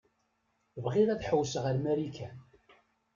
Bɣiɣ ad ḥewwseɣ ar Marikan.